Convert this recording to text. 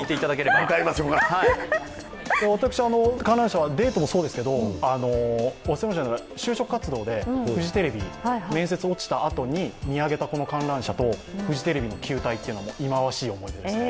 観覧車はデートもそうですけど、就職活動でフジテレビの面接が終わったあとに見上げた観覧車とフジテレビの球体は忌まわしい思い出です。